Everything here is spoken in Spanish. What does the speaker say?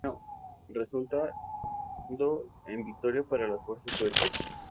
Resultando en victoria para las fuerzas suecas.